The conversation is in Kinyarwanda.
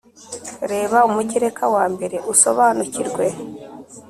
Reba Umugereka wa mbere usobanukirwe